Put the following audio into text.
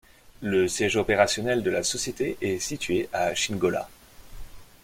Le siège opérationnel de la société est situé à Chingola.